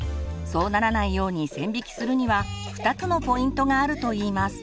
そうならないように線引きするには２つのポイントがあるといいます。